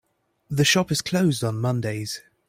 The shop is closed on Mondays.